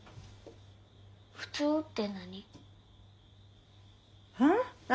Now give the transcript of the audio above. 普通って何？